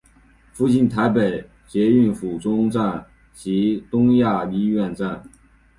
附近有台北捷运府中站及亚东医院站。